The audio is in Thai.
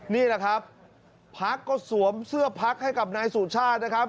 นี่แหละครับพักก็สวมเสื้อพักให้กับนายสุชาตินะครับ